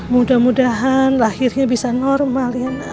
mudah mudahan lahirnya bisa normal ye nak